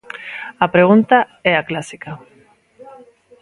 A pregunta é a clásica.